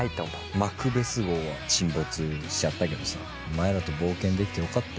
マクベス号は沈没しちゃったけどさお前らと冒険できてよかったよ。